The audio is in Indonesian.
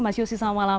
mas yosi selamat malam